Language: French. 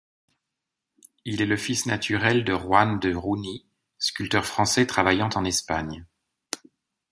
Il est le fils naturel de Juan de Juni, sculpteur français travaillant en Espagne.